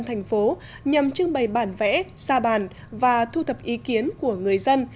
thành phố nhằm trưng bày bản vẽ xa bàn và thu thập ý kiến của người dân